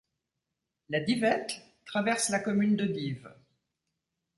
La Divette traverse la commune de Dives.